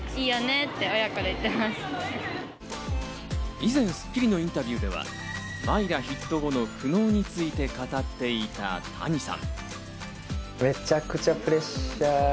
以前『スッキリ』のインタビューでは、『Ｍｙｒａ』ヒット後の苦悩について語っていたＴａｎｉさん。